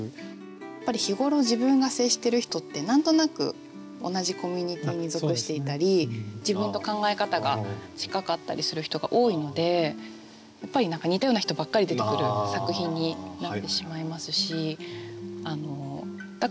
やっぱり日頃自分が接してる人って何となく同じコミュニティーに属していたり自分と考え方が近かったりする人が多いのでやっぱり何か似たような人ばっかり出てくる作品になってしまいますし。